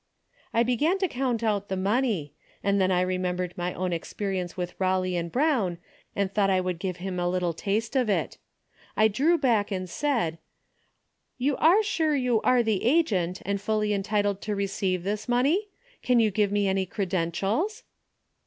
" I began to count out the money, and then I remembered my own experience with Eawley and Brown and thought I would give him a little taste of it. I drew back and said ' You are sure you are the agent and fully entitled to receive this money ? Can you give me any credentials